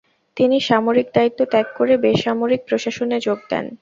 তিনি সামরিক দায়িত্ব ত্যাগ করে বেসামরিক প্রশাসনে যোগ দেন।